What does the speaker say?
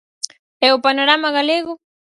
E o panorama galego?